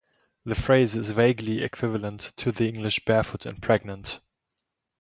The phrase is vaguely equivalent to the English "barefoot and pregnant".